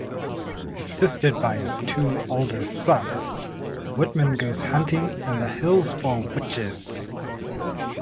Assisted by his two older sons, Whitman goes hunting in the hills for witches.